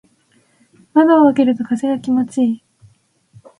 窓を開けると風が気持ちいい。